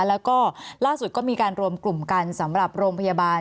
แล้วก็ล่าสุดก็มีการรวมกลุ่มกันสำหรับโรงพยาบาล